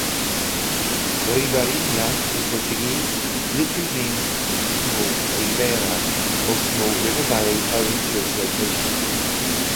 Riberinha, in Portuguese, literally means small "ribeira", or small river-valley owing to its location.